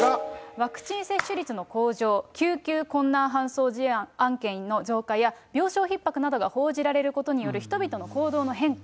ワクチン接種率の向上、救急困難搬送案件の増加や、病床ひっ迫などが報じられることによる人々の行動の変化。